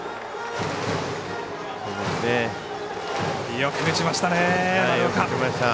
よく打ちましたね、丸岡。